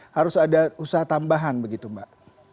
harus ada usaha tambahan begitu mbak